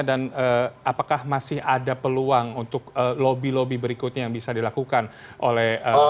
dan apakah masih ada peluang untuk lobby lobby berikutnya yang bisa dilakukan oleh